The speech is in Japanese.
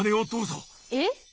えっ！